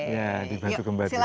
ya di batu kembar itu